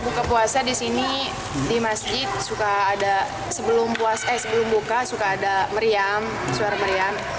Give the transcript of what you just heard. buka puasa di sini di masjid sebelum buka suka ada meriam suara meriam